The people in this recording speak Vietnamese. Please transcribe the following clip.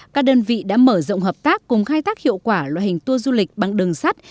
các đơn vị đã mở rộng hợp tác cùng khai tác hiệu quả loại hình tour du lịch bằng đường sắt